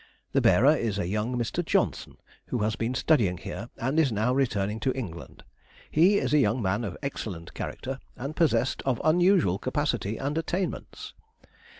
The bearer is a young Mr. Johnston, who has been studying here, and is now returning to England. He is a young man of excellent character, and possessed of unusual capacity and attainments.